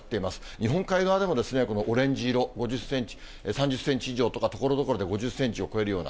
日本海側でもオレンジ色５０センチ、３０センチ以上とか、ところどころで５０センチを超えるような。